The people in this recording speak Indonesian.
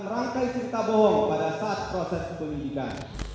rangkai sista bohong pada saat proses pemimpinan